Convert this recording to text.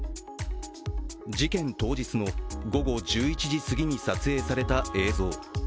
事件当日の午後１１時すぎに撮影された映像。